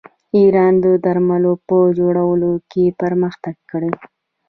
ایران د درملو په جوړولو کې پرمختګ کړی.